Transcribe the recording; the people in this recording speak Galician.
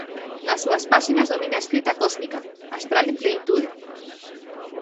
Nas súas páxinas domina a escrita cósmica, astral en plenitude.